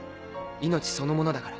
命そのものだから。